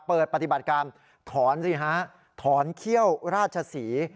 ปฏิบัติการถอนสิฮะถอนเขี้ยวราชศรี